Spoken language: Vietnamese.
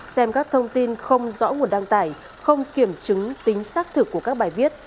xem các thông tin không rõ nguồn đăng tải không kiểm chứng tính xác thực của các bài viết